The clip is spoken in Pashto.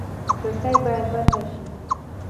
کړکۍ باید بنده شي.